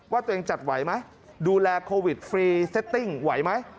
ว่าตัวเองจัดไหวไหมดูแลโควิดฟรีเซตติ้งไหวไหม